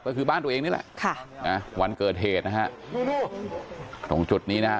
ก็คือบ้านตัวเองนี่แหละค่ะนะวันเกิดเหตุนะฮะตรงจุดนี้นะฮะ